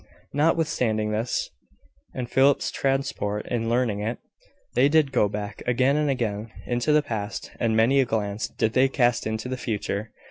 Notwithstanding this, and Philip's transport in learning it, they did go back, again and again, into the past; and many a glance did they cast into the future.